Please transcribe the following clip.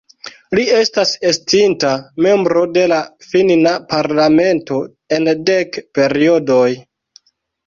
Li estas estinta membro de finna parlamento en dek periodoj.